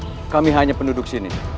maaf tuan kami hanya penduduk sini